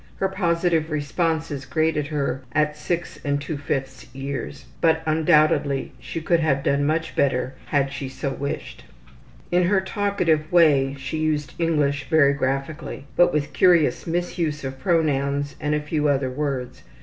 Her positive responses graded her as 6 2/5 years, but undoubtedly she could have done much better had she so wished. In her talkative way she used English very graphically, but with curious misuse of pronouns and a few other words.